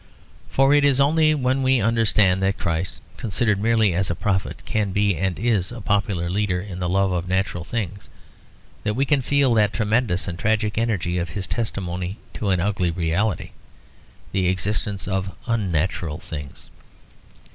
For it is only when we understand that Christ, considered merely as a prophet, can be and is a popular leader in the love of natural things, that we can feel that tremendous and tragic energy of his testimony to an ugly reality, the existence of unnatural things.